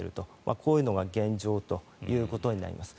こういうのが現状ということになります。